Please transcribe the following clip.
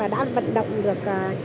đã vận động được